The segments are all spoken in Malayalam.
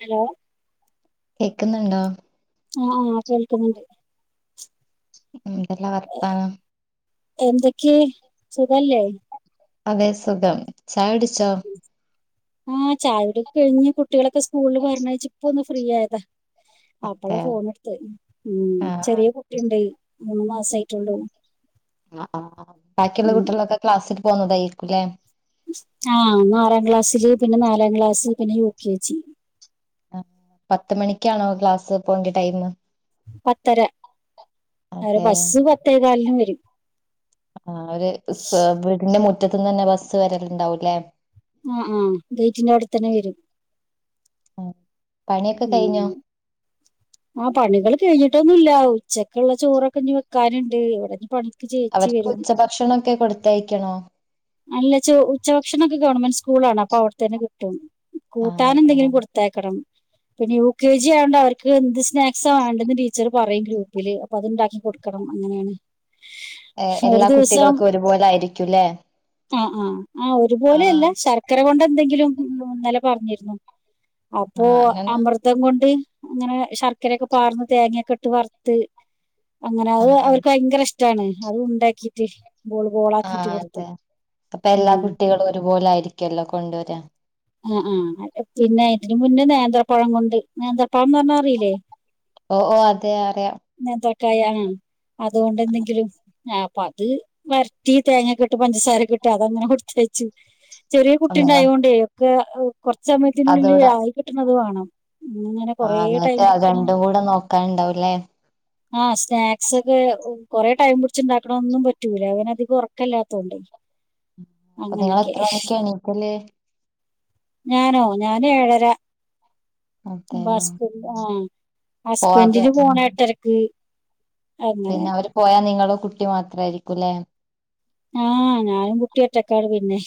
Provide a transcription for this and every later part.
ഹലോ കേക്കുന്നൊണ്ടോ. ആ കേൾക്കുന്നൊണ്ട്. എന്തെല്ലാ വർത്താനം. എന്തൊക്കെയായി സുഖല്ലേ അതെ സുഖം ചായുടിച്ചോ ആ ചായുടിയൊക്കെ കഴിഞ്ഞ് കുട്ടികളൊക്കെ സ്കൂളി പറഞ്ഞയച്ച് ഇപ്പൊന്ന് ഫ്രീ ആയതാ. അപ്പളാ അതെ ഫോണെടുത്തെ ഉം ആ ചെറിയ കുട്ടിയുണ്ടെ മൂന്ന് മാസായിട്ടൊള്ളൂ. ആ ബാക്കിയുള്ള ഉം കുട്ടികളൊക്കെ ക്ലാസ്സിൽ പോന്നതായിരിക്കുംല്ലേ ആഹ് ആറാം ക്ലാസ്സില് പിന്നെ നാലാം ക്ലാസ് പിന്നെ യു കെ ജി പത്ത് മണിക്കാണോ ക്ലാസ് പോണ്ട ടൈംമ് പത്തര അവരെ അതേ ബസ്സ് പത്തേ കാലിന് വരും ആവര് സേവ്ഡ് മുറ്റത്ത്ന്നന്നെ ബസ് വരലുണ്ടാവൂലെ ഉം ഉം ഗെയ്റ്റിന്റെ അവിടെ തന്നെ വരും ആഹ് പണിയൊക്കെ കഴിഞ്ഞോ? ഉം ആഹ് പണികള് കഴിഞ്ഞിട്ടൊന്നുല്ല ഉച്ചക്കുള്ള ചോറൊക്കെ ഇനി വെക്കാനുണ്ട് എവിടെന്ന് പണി അവർക്ക് ഉച്ചഭക്ഷണൊക്കെ കൊടുത്തയക്കണോ? അല്ല ഉച്ചഭക്ഷണോക്കെ ഗവൺമെന്റ് സ്കൂളാണ് അപ്പൊ അവിടെത്തന്നെ കിട്ടും ആ അതെ കൂട്ടാനെന്തെങ്കിലും കൊടുത്തയക്കണം പിന്നെ യു കെ ജി ആയോണ്ട് അവർക്ക് ക്ക് എന്ത് സ്നാക്സ വേണ്ടെന്ന് ടീച്ചർ പറയും ഗ്രൂപ്പില് അപ്പൊ അത്ണ്ടാക്കി കൊടുക്കണം അങ്ങനെയാണ് എ- ക്ഷെ ഒരു എല്ലാ ദിവസം കുട്ടികൾക്കും ഒരുപോലെ ആയിരിക്കുംല്ലേ ആഹ ആഹ. ആ ആ ഒരുപോലെയല്ല ശർ ക്കര കൊണ്ടെന്തെങ്കിലും ഉം ഇന്നലെ പറഞ്ഞിരുന്നു ആ അപ്പോ അങ്ങനെ അമൃതം കൊണ്ട് അങ്ങനെ ശർക്കരൊക്കെ പാർന്ന് തേങ്ങയൊക്കെ ട്ട് വറ്ത്ത് അങ്ങനെ ആ അത് ആ അവർക്ക് ഭയങ്കര ഇഷ് ടാണ് അത് ഇണ്ടാക്കിട്ട് ആഹ അതെ അപ്പൊ എല്ലാ ഉം കുട്ടികളും ഒരുപോലെയായിരിക്കല്ലോ കൊണ്ടുവര. ആഹ ആഹ അ പിന്നെ ഇതിന് മുന്നേ നേന്ത്രപ്പഴം കൊണ്ട് നേന്ത്രപ്പഴം പറഞ്ഞ അറീലെ? ഓ ഓ അതെ അറിയ. നേന്ത്രക്കായ ആഹ അതുകൊണ്ട് ന്തെങ്കിലും ആ അപ്പൊ അത് വരട്ടി തേങ്ങക്ക് ട്ട് പഞ്ചസാരക്കെ ട്ട് അതങ്ങനെ കുട്ച്ച് വെച്ച്. ചെറിയ കുട്ടി അല്ല ഉണ്ടായോണ്ടേ ഒക്കെ കുറച്ചെ സമയത്തിന്റുള്ളിൽ അതോടെ ആയി കിട്ടണത് വാണം. ഇങ്ങനെ ആ കൊറെ ടൈം എന്നിട്ട് അത് പിടിക്കണൊ? രണ്ടും കൂടെ നോക്കാനുണ്ടാവുംല്ലേ ആഹ സ്നാക്സ് ഒക്കെ കുറെ ടൈം പിടിച്ച്ണ്ടാക്കണൊന്നും പറ്റൂല ഓനധികം ഉറക്കല്ലാത്തോണ്ട്. അപ്പൊ നിങ്ങൾ എത്ര മണിക്കാ എണീക്കല്? ഞാനോ ഞാന് ഏഴര അതെ ഹസ്ബൻഡ് ന്റെ ആഹ. പോവാതെ ഹസ്ബൻഡ്ന് പോണം എട്ടരക്ക്. അങ്ങനെ പിന്നെ അവര് പോയാ നിങ്ങളും കുട്ടിം മാത്രായിരിക്കും ലെ. ആഹ ഞാനും കുട്ടിം ഒറ്റക്കാണ് പിന്നെ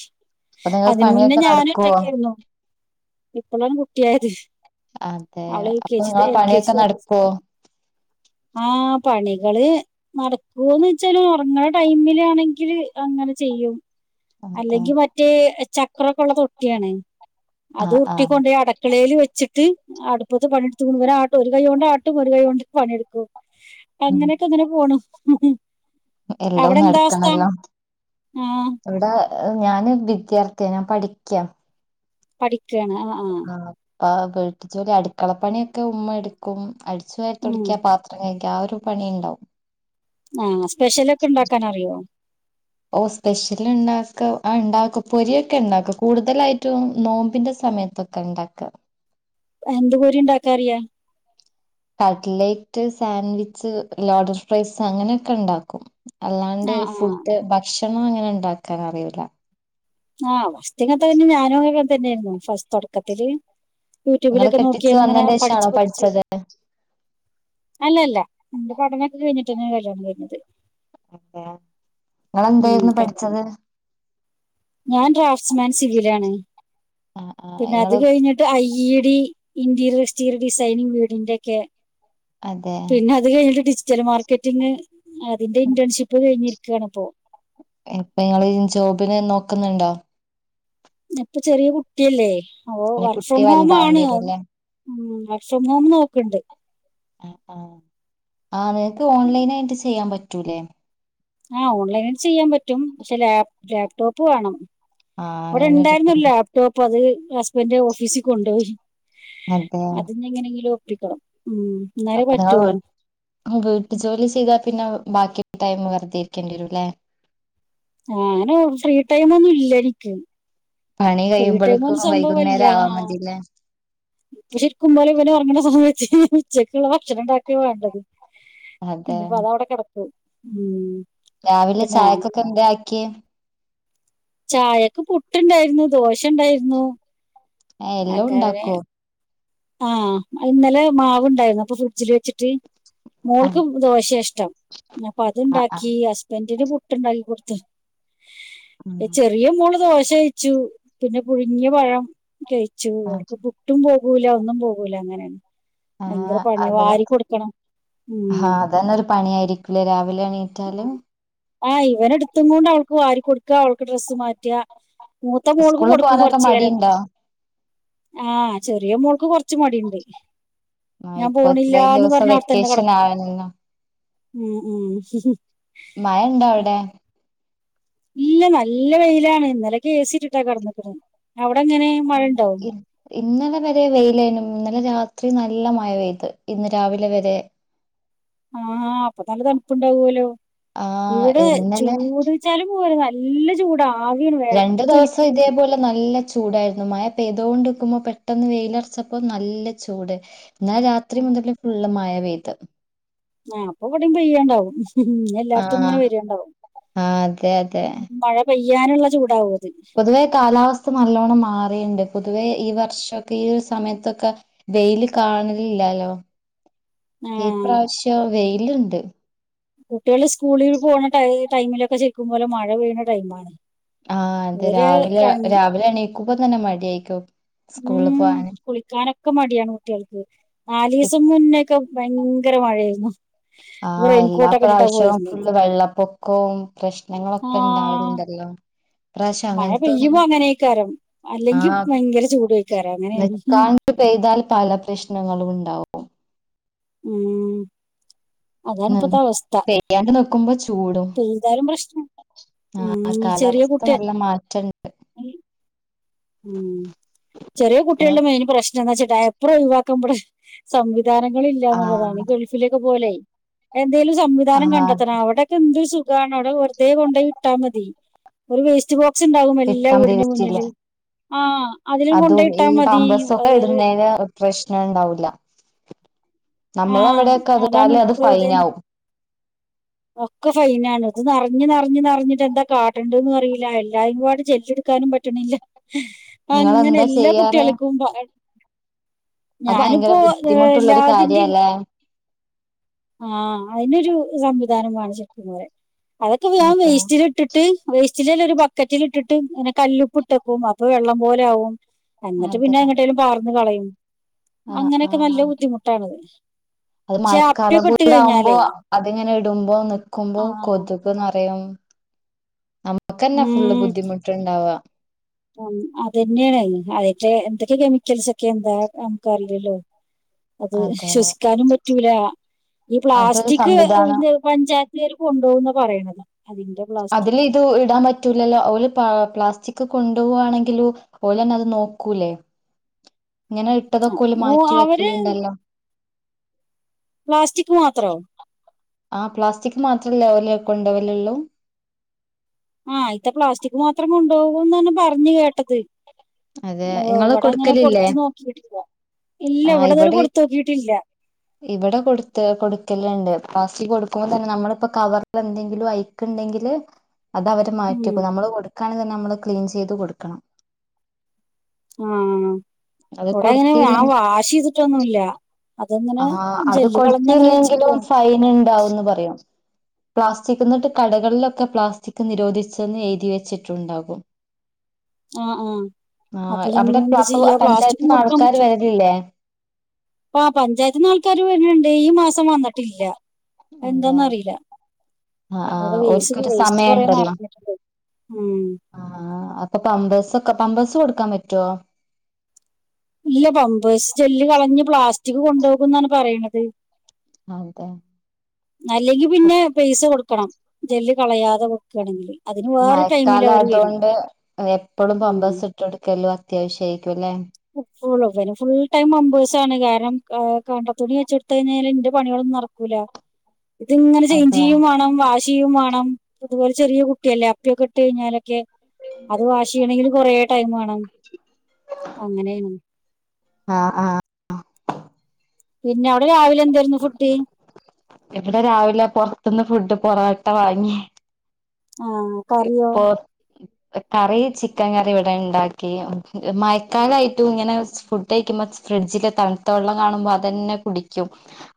അപ്പൊ നിങ്ങൾ അതിന് മുന്നേ പണിയൊക്കെ ഞാനും നടക്കുവോ ഒറ്റക്കായിരുന്നു. ഇപ്പളാണ് കുട്ടിയായത് അതെ അവള് എൽ. കെ. അപ്പൊ ജി നിങ്ങളെ എൽ. കെ. ജി പണിയൊക്കെ തു നടക്കുവോ ആ പണികള് നടക്കോന്ന് വെച്ചാല് ഉറങ്ങ്ണടൈമിലാണെങ്കില് അങ്ങനെ ചെയ്യും. അതെ അല്ലെങ്കി മറ്റേ ചക്രക്കെ ള്ള തൊട്ടിയാണ് ആ അത് ആ ഉരുട്ടിക്കൊണ്ടോയി അടെ ക്കളേൽ വെച്ചിട്ട് അടുപ്പത്ത് പണിട്ത്ത് ങ്ങനെ ആട്ടും ഒരു കൈയ് കൊണ്ട് ആട്ടും ഒരു കൈ കൊണ്ട് പണിട്ക്കും. ഉം അങ്ങനൊക്കെങ്ങനെ പോണ്. എല്ലം നട്ക്കണല്ലോ. ആഹ് വ്ടെ ഞാന് വിദ്യാർത്ഥ്യ ഞാൻ പഠിക്ക്യ. പഠിക്കാണ് ആഹ ആഹ. ആഹ വീട്ട് ജോലി അടുക്കളപ്പണിയൊക്കെ ഉമ്മ എടുക്കും അടിച്ചു ഉം വാരിത്തൊട്ക്കാ പാത്ര കഴ്ക ആ ഒരു പണിണ്ടാവും. ആഹ സ്പെഷ്യലൊക്കെ ണ്ടാക്കാൻ അറിയോ? ഓ സ്പെഷ്യലുണ്ടാക്ക ആഹ ണ്ടാക്കും പൊരിയൊക്കെ ഉണ്ടാക്കും കൂടുതലായിട്ടും നോമ്പിന്റെ സമയത്തൊ ക്കെ ണ്ടാക്ക. എന്ത് പൊരി ഇണ്ടാക്കാറ്യ? കട്ലേയ്റ്റ്, സാൻഡ്‌വിച്ച്, ലോഡഡ്ഫ്രൈസ് അങ്ങനെയൊക്കെ ഇണ്ടാക്കും. അല്ലാണ്ട് ആഹ് ഫുഡ് ഭക്ഷണം അങ്ങനെ ഇണ്ടാക്കാൻ അറിയുല. ആഹ് ഫസ്റ്റ്ക്കൊത്തന്നെ ഞാനും അങ്ങനൊക്കെതന്നെയായിരുന്നു. ഫസ്റ്റ് തൊട്ക്കത്തില് നിങ്ങള് യൂട്യൂബിലൊക്കെ നോക്കി കെട്ടിച്ചു അങ്ങനെ വന്നതിന്റെ പഠിച്ച് ശേഷാണോ പഠിച്ച് പഠിച്ചത് അല്ലല്ല ഇന്റെ പഠനൊക്കെ കഴിഞ്ഞിട്ടെ ന്നെ കല്യാണം കഴിഞ്ഞത്. ഇന്താ ഉം ഇങ്ങളെന്തെയ്നു കല്യാണം പഠിച്ചത്? ഞാൻ ഡ്രാഫ്റ്റ്സ്മാൻ സിവിലാണ്. ആ ആ പിന്നെ അത് നിങ്ങള് കഴിഞ്ഞ് ട്ട് I E D interior exterior designing വീടിന്റെ ഒക്കെ അതെ പിന്നെ അത് കഴിഞ്ഞിട്ട് ഡിജിറ്റൽ മാർക്കറ്റിംഗ് അതിന്റെ ഇന്റെൺഷിപ്പ് കഴിഞ്ഞിരിക്കാണ് ഇപ്പൊ. ഇപ്പൊ ഇങ്ങള് ജോബിന്‌ നോക്കുന്നുണ്ടോ? ഇപ്പൊ ചെറ്യേ കുട്ട്യല്ലേ. ഓ ഇനി വർക്ക് കുട്ടി ഫ്രം ഹോം വലുതാവേണ്ടി ആണ് ഒ വരൂല്ലേ ഉം വർക്ക് ഫ്രം ഹോം നോക്ക്ണ്ട്. ആഹ് ആഹ് നിങ്ങക്ക് ഓൺലൈനായിട്ട് ചെയ്യാൻ പറ്റൂലെ? ആ ഓൺലൈൻ ആയിട്ട് ചെയ്യാൻ പറ്റും പക്ഷെ ലാ ലാപ്ടോപ്പ് വാണം. ആ ഇവ്ടെ അങ്ങനെ ഒരു ഇണ്ടായിരുന്നൊരു ലാപ് ടോപ് അത് ഹസ്ബൻഡ് ഓഫീസി കൊണ്ടോയി. അതെ. ഇഞ് എങ്ങനെങ്കിലും ഒപ്പിക്കണം ഉം. എന്നാലേ അപ്പൊ നിങ്ങള് പറ്റുള്ളൂ വീ വീട്ടു ജോലി ചെയ്താൽ പിന്നെ ബാക്കി ടൈമ് വെറുതെ ഇരിക്കേണ്ടി വരുലെ. ആങ്ങനെ ഫ്രീ ടൈമൊന്നും ഇല്ല എനിക്ക്. പണി ഫ്രീ കഴിയുമ്പളെ ടൈം ക്ക് ഒരു സംഭവമല്ല വൈകുന്നേരം ആവാ മതിലെ. പക്ഷെ ശരിക്കും പോലെ ഇവന് ഉറങ്ങ്ണ സമയത്ത് ഉച്ചയ്ക്ക്ള്ള ഭക്ഷണം ഇണ്ടാക്കാ വേണ്ടത്. ഉം അതെ ഇഞ്പ്പതവിടെ കെടക്കും ഉം രാവിലെ ഇപ്പൊ ഞാൻ ചായക്കൊക്കെ എന്താ ആ ക്ക്യെ. ചായക്ക് പുട്ട് ഇണ്ടേര്ന്നു. ദോശ ഇണ്ടായിരുന്നു. അ എല്ലൊ ഇണ്ടാക്കോ. ആഹ് ഇന്നലെ മാവ്ണ്ടായിരുന്നു. അപ്പൊ ഫ്രിഡ്ജില് വെച്ചിട്ട് ആ മോൾക്ക് ദോശെ ഇഷ്ടം. അപ്പൊ ആ ആ, അത്ണ്ടാക്കി ഹസ്ബൻഡന് പുട്ട്ണ്ടാക്കി കൊടുത്ത്. ഉം ചെറിയ മോള് ദോശ കഴിച്ചു. പിന്നെ പുഴുങ്ങിയ പഴം കഴി ആ ഓൽക്ക് പുട്ടും പോകൂല. ഒന്നും പോകൂല അങ്ങനേണ്. ആ ഭയങ്കര പണ്യ. വാരി കൊടുക്കണം. ഉം ആഹ് അതന്നെ ഒരു പണിയായിരിക്കുലെ രാവിലെ എണീറ്റാല്. ആഹ് ഇവനെ എടുത്തും കൊണ്ട് അവൾക്ക് വാരി കൊടുക്ക അവൾക്ക് ഡ്രസ്സ് മാറ്റ. മൂത്ത മോൾക് സ്കൂളിൽ കൊടുക്കും പോകാനൊക്കെ കൊറ്ചേരം. മടിയുണ്ടോ ആ ചെറിയ മോൾക്ക് കൊറ് ച്ചി മടിണ്ട്. ആ ഞാൻ ഇപ്പൊ ഇത്രയും പോണില്ലാന്ന് ദിവസം പറഞ്ഞ് അവിടെത്തന്നെ വെക്കേഷൻ കെടക്കും. ആണല്ലോ ഉം ഉം മയ ഇണ്ടോ അവിടെ. ഇല്ല നല്ല വെയിലാണ്. ഇന്നലെ ഏസിട്ട്ട്ടാ കെടന്ന്ക്ക്ണ്. അവിടെ എങ്ങനെ മഴ ഇണ്ടോ. ഇ- ഇന്നലെ വരെ വെയിലേനും ഇന്നലെ രാത്രി നല്ല മഴ പെയ്ത്. ഇന്ന് രാവിലെ വരെ. ആഹ് അപ്പൊ നല്ല തണുപ്പുണ്ടാവോലോ. ആ ഇവിടെ ഇന്നലെ ചൂട്. ചാലും പോര നല്ല ചൂട. ആവിയാണ് രണ്ടു ദിവസം വെയർത്തൊലിക്ക്ണ്. ഇതേപോലെ നല്ല ചൂടായിരുന്നു. മഴ പെയ്തോണ്ട് ഇക്കുമ്പോ പെട്ടെന്ന് വെയിലറച്ചപ്പം നല്ല ചൂട്. എന്നാൽ രാത്രി ആഹ് മുതൽ ഫുള്ള് മഴ പെയ്ത് ആ അപ്പൊ ഇവിടെപെയ്യണ്ടാവും. ഇഞ്ഞ് എല്ലായിട്ത്തും ഇങ്ങനെ ആഹ് വര്വ ഇണ്ടാവും. ആഹ് അതെ അതെ പെയ്യാനുള്ള ചൂടാവും അത് പൊതുവേ കാലാവസ്ഥ നല്ലവണ്ണം മാറിഇണ്ട് പൊതുവേ ഈ വർഷൊക്കെ ഈ സമയത്തൊക്കെ വെയില് കാണലില്ലാലോ ഈ ആഹ് പ്രാവശ്യം വെയിലുണ്ട് കുട്ട്യാൾ സ്കൂളിൽ പോണ ടൈ ടൈമിലൊക്കെ ശരിക്കും പോലെ മഴ പെയ്യണ ടൈമാണ് ആഹ് അതെ ഇവര് രാവിലെ രൺ- രാവിലെ എണീക്കുമ്പ തന്നെ മടിയായിക്കും ഉം സ്കൂളില് പോവാന്. കുളിക്കാനൊക്കെ മടിയാണ് കുട്ട്യാക്ക് നാലീസും മുന്നേൊക്കെ ഭ ങ്കര മഴയാർന്നു ആഹ് എല്ലാ പ്രാവശ്യം ഫുള്ള് വെള്ളപ്പൊക്കൊം പ്രശ്നങ്ങളൊക്കെ ആഹ് ഇണ്ടാവലുണ്ടല്ലോ [unintelligible] മഴ പെയ്യുമ്പോ അങ്ങനെക്കാരം അല്ലെങ്കിൽ ആഹ് ഭയങ്കര ചൂടുംയേക്കാരം അങ്ങനെയാണ് നിക്കാണ്ട് പെയ്താൽ പല പ്രശ്നങ്ങളും ഉണ്ടാവും ഉം അതാണ് ഉ ഇപ്പത്തെ അവസ്ഥ പെയ്യാണ്ട് നിക്കുമ്പോ ചൂടും എന്തായാലും പ്രശ്ന ആഹ് കാലാവസ്ഥ നല്ല മാറ്റണ്ട് ഉം ചെറിയ കുട്ടികളുടെ മെയിന് പ്രശ്നം എന്ന് വെച്ച ടയപ്പറു ഒഴിവാക്കുമ്പടെ സം വിധാനങ്ങളില്ല എന്നുള്ളതാണ് ആഹ് ഗൾഫിലൊക്കെ പോലെ എന്തേലും സംവിധാനം ആഹ് കണ്ടെത്തണം അവിടെ എന്ത് സുഖാണ് അവിടെ വെറുതെ കൊണ്ട്പോയി ഇട്ടാ മതി ഒരു വേസ്റ്റ് പോ ക്സ്ണ്ടാവും എല്ലാ കിട്ടാൻ വീടിന്റെ വേണ്ടിയില്ല മുന്നില് ആഹ് അത് അതും ഈ പമ്പസൊക്കെ ഇടുന്നേന് പ്രശ്ന ഇണ്ടാവുല്ല ആ നമ്മളെ ഇവിടെക്കെ അത് അതാണ് ഇട്ടാല് അത് ഇപ്പൊ ഇത് ഫൈൻ ആകും ഒക്കെ ഫൈന ആണ് ഇത് നറഞ്ഞ് നറഞ്ഞ് നറഞ്ഞിട്ട് എന്താ കാട്ടേണ്ടന്ന് അറിയില്ല എല്ലായുംപാട് ജെല്ല് എടുക്കാനും പറ്റ പറ്റണ്ല്ല അങ്ങനെ നിങ്ങളെന്താ എല്ലാ ചെയ്യാറ് കുട്ട്യാൾക്കും അത് ഭയങ്കര ഏഹ്, ബുദ്ധിമുട്ടുള്ളൊരു കാര്യല്ലേ. ആഹ് അതിനൊരു സംവിധാനമാണ് ശരിക്കുബൊരെ അതൊക്കെ ഞാൻ അതെ വേസ്റ്റില് ഇട്ട് ഇട്ട് വേസ്റ്റില് അല്ല ഒരു ബക്കറ്റിൽ ഇട്ടിട്ട് ഇങ്ങനെ കല്ലുപ്പ് ഇട്ടക്കും അപ്പോ വെള്ളം പോലെ ആകും. എന്നിട്ട് അതെ പിന്നെ എങ്ങട്ടേലും പാർന്ന് കളയും ആഹ് അങ്ങനെയൊക്കെ നല്ല ആഹ് ബുദ്ധിമുട്ടാണ് അത് മഴക്കാലം കൂടെ ആകുമ്പോ അതിങ്ങനെ ഇടുമ്പോ നിക്കുമ്പോ ആ കൊതു- തുക്ക് നെറയും നമുക്ക് തന്നെ ഫുള്ള് ബുദ്ധിമുട്ടുണ്ടാവാ ആഹ് അത് തന്നെയാണ് അതിന്റെ എന്തൊക്കെ കെമിക്കൽസ് ഒക്കെ എന്താ നമുക്കറില്ലല്ലോ. [inaudible] അത് ശ്വസിക്കാനും പറ്റൂല്ല ഈ അതൊരു പ്ലാസ്റ്റിക് സംവിധാനം പഞ്ചായത്തുകാര് കൊണ്ടുപോകുന്ന പറയണത് അതിന്റെ അതില് പ്ലാസ്റ്റിക് ഇത് ഇടാൻ പറ്റൂലല്ലോ ഓല് പ്ലാ പ്ലാസ്റ്റിക് കൊണ്ടുപോവാണെങ്കിലും ഓല് തന്നെ അത് നോക്കൂല്ലേ ഇങ്ങനെ ആ ഇട്ടതൊക്കെല ഓ മാറ്റി അവര് വെക്കല്ണ്ടല്ലോ. പ്ലാസ്റ്റിക് മാത്രൊ ആഹ് പ്ലാസ്റ്റിക് മാത്രല്ലേ ഓല് കൊണ്ടവലൊള്ളൂ ആഹ് അതിതെ പ്ലാസ്റ്റിക് മാത്രം കൊണ്ടപോകുന്നാണ് പറഞ്ഞ് കേട്ടത് അതെ ഇങ്ങള് ഇവിടെ അങ്ങനെ കൊടുക്കലില്ലേ കൊടുത്തു നോക്കിട്ടില്ല ഇല്ല ഇവിടെ അങ്ങനെ കൊടുത്തു നോക്കിട്ടില്ല. ഇവിടെ കൊടുത്ത് കൊടുക്കലുണ്ട് പ്ലാസ്റ്റിക് കൊടുക്കുമ്പോ തന്നെ നമ്മളിപ്പോ കവറൽ എന്തെങ്കിലും ഐ ക്ക് ഇണ്ടെങ്കിൽ അത് അവര് മാറ്റി ഉം വെക്കും നമ്മള് കൊടുക്കാണെങ്കിൽ തന്നെ നമ്മള് ക്ലീൻ ചെയ്ത് കൊടുക്കണം. ആഹ് അത് ഇവിടെ ഇങ്ങനെ ഞ കൊടുത്തില്ല വാഷ് ചെയ്തിട്ടൊന്നുല്ല. ആഹ് അത് കൊടുത്തില്ലെങ്കിലും വെച്ചിരിക്കുക ഫൈൻ ഉണ്ടാവന്ന് പറയും. പ്ലാസ്റ്റിക് എന്നിട്ട് കടകളിലൊക്കെ പ്ലാസ്റ്റിക് നിരോധിച്ചെന്ന് എഴുതി വെച്ചിട്ടുണ്ടാകും. ആ ആ [inaudible] ആഹ് അപ്പൊ നമ്മൾ അവിടെ അപ്പ എന്ത് അപ്പൊ ചെയ്യാ പ്ലാസ്റ്റിക്കും പഞ്ചായത്തിന്ന് കൊടുക്കാൻ ആൾക്കാര് വരലില്ലേ? ആഹ് പഞ്ചായത്തിന്ന് ആൾക്കാര് വരലുണ്ട്. ഈ മാസം വന്നട്ടില്ല. എന്താ എന്താന്ന് റിയില്ല. ആഹ് ഇവിടെ ആഹ് വേസ്റ്റ് ഓൽക്കൊരു വേസ്റ്റ് കുറെ സമയണ്ടല്ലോ നിറഞ്ഞിട്ടുണ്ട്. ആഹ് അപ്പോ പമ്പസ് ഒക്കെ പമ്പഴ്സ് കൊടുക്കാൻ പറ്റുവോ. ഇല്ല. പമ്പേഴ്സ് ജെല്ല് കളഞ്ഞ് പ്ലാസ്റ്റിക് കൊണ്ടുപോകുന്നാണ് പറയണത്. അതെ- അല്ലെങ്കി പിന്നെ പേയ്സ കൊടുക്കണം. ജെല്ല് കളയാതെ- തൊടങ്ങീണ്. അതിന്- വേറെ ടൈമിൽ അവർ വരും മഴക്കാലയതൊണ്ട് എപ്പോളും പമ്പേഴ്സ് ഉം ഇട്ടെട്ക്കല് അത്യാവശ്യരിക്കുല്ലേ. ഫുള്ളും. ഫുൾ ടൈം മമ്പേഴ്സാണ്. കാരണം കണ്ടത്ത തുണി വെച്ചെടുത്ത കഴിഞ്ഞാൽ ന്റെ പണികളൊന്നും നടക്കൂല്ല [unintelligible] ഇതിങ്ങനെ അതെ ചേഞ്ചയ്യും വേണം. വാഷ് ചെയ്യും വേണം. അതുപോലെ ചെറിയ കുട്ടിയല്ലേ അപ്പിക്കെ ഇട്ട് കഴിഞ്ഞാല്- ക്കെ അത് വാശേയണങ്കി കുറെ ടൈം വേണം. ശ [unintelligible] അങ്ങനെണ്. ആഹ് ആഹ്.. പിന്നെ അവിടെ രാവിലെ എന്തായി? എവിടെ രാവിെല പുറത്ത് നിന്ന് ഫുഡ് പൊറോട്ട വാങ്ങി. ആ കറിയോ ഇപ്പോ കറി ചിക്കൻ കറി ഇവിടെ ണ്ടാക്കി. മഴക്കാലായിട്ട്- ട്ട് ങ്ങനെ ഫുഡ് കഴിക്കുമ്പോ ഫ്രിഡ്ജില് തണുത്ത വെള്ളം കാണുമ്പോ അതന്നെ കുടിക്യും.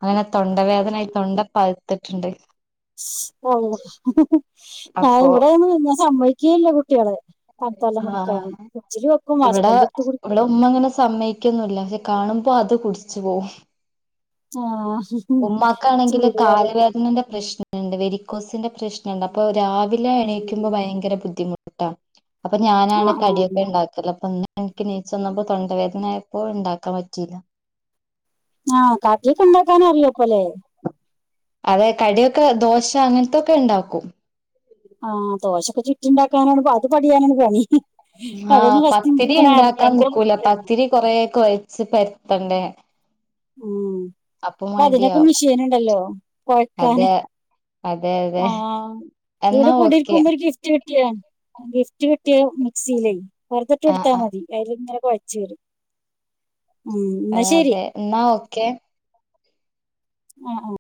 അങ്ങനെ തൊണ്ടവേദനയായി തൊണ്ട പഴുത്തിട്ടുണ്ട്. ഷ് ആഹ് ള്ള അപ്പോ ഇവിടൊന്നും ഞാൻ സമ്മയ്ക്കെൽയ കുട്ടികളെ- തണുത്തവെള്ളം കുടിക്കാന് ആഹ് ഫ്രിഡ്ജിൽ വെക്കും ഇവിടെ ഹസ്ബൻഡ് എടുത്ത് കുടിക്കും ഇവിടെ ഉമ്മ അങ്ങനെ സമ്മയി- ക്യോ ന്നുല്ല. പക്ഷേ കാണുമ്പോ അത് കുടിച്ചു പോകും. ആഹ്... ഉമ്മാക്കാണെങ്കില് കാലവേദനന്റെ പ്രശ്നണ്ട്. വെരിക്കോസിന്റെ പ്രശ്നണ്ട്. അപ്പോ രാവി- ലെ എണീക്കുമ്പോ ഭയങ്കര ബുദ്ധിമുട്ട. അപ്പോ ആ ഞാനാണ് ആ കടിയൊക്കെ ഉണ്ടാ- അല്ലപ്പോ ന്ന് എനിക്ക് നീച്ച വന്ന്പ തൊണ്ടവേദനയപ്പോ ണ്ടാക്കാൻ പറ്റില്യ. ആഹ് കടിയൊക്കെ ണ്ടാക്കാനറിയ പ്പല്ലേ അതെ. കടിയൊക്കെ ദോശ അങ്ങൻത്തൊക്കെ ണ്ടാക്കും. ആഹ് ദോശൊക്കെ ചുറ്റുണ്ടാക്കാനാണ് അത് പടിയാനാണ് പണി. ആഹ്. അതൊന്നും ഫസ്റ്റ് എനിക്ക് പത്തിരി ഇങ്ങനെ അറിഞ്ഞ ണ്ടാക്കാൻ ഭയങ്കര നിക്കൂല. ബുദ്ധിമുട്ടായിരുന്നു പത്തിരി കൊറെ കൊയ്ച്ച് പരത്തണ്ടേ. ഉം. അപ്പൊ പ്പ അതിനൊക്കെ മടിയാവും മെഷീൻ ണ്ടല്ലോ. കൊഴക്കാന്. അതെ അതെ അതെ ആഹ് എന്നാ ഇവിടെ ഓക്കെ കൂടിരിക്കുമ്പോ ഒരു ഗിഫ് റ്റ് കിട്ടിയൊ. ഗിഫ്റ്റ് കിട്ടിയ മിക്സിയിലേ വറുതെട്ട് ആഹ് എടുത്താ മതി. അയിലിങ്ങനെ കോയച്ചേരും. ഉം എന്നാ ആഹ് ശരി. അതെ എന്നാ ഓക്കെ. ആഹ് ആഹ്